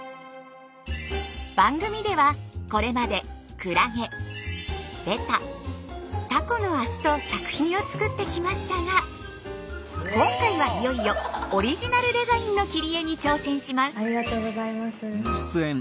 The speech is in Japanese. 番組ではこれまで「クラゲ」「ベタ」「タコの足」と作品を作ってきましたが今回はいよいよオリジナルデザインの切り絵に挑戦します。